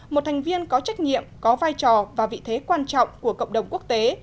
một thành viên có trách nhiệm có vai trò và vị thế quan trọng của cộng đồng quốc tế